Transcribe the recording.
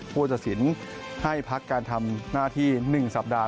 ผู้ตัดสินให้พักการทำหน้าที่๑สัปดาห